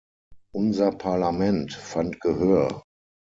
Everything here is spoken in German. Unser Parlament fand Gehör.